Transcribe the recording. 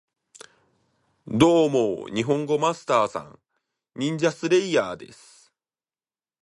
ドーモ、ニホンゴマスター＝サン！ニンジャスレイヤーです